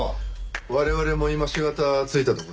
我々も今し方着いたとこですが。